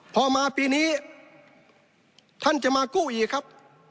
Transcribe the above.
พอมาปีนี้ท่านจะมากู้อีกครับ